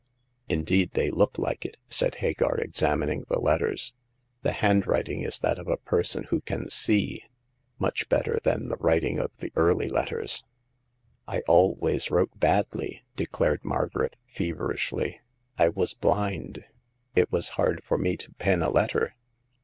Indeed they look like it," said Hagar, ex amining the letters ;" the handwriting is that of a person who can see — much better than the writing of the early letters." " I always wrote badly," declared Margaret, feverishly. " I was blind ; it was hard for me to pen a letter.